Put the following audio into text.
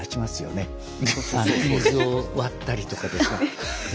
水を割ったりとかで。